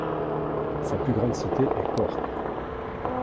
Sa plus grande cité est Cork.